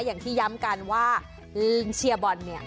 อย่างที่ย้ำกันว่าลิงเชียร์บอลเนี่ย